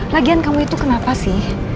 lagian kamu itu kenapa sih